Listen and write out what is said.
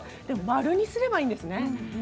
でも「。」にすればいいんですね。